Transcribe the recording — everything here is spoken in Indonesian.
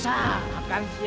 dan ada kita disotype